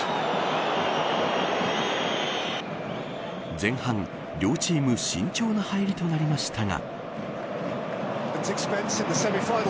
前半、両チーム慎重な入りとなりましたが。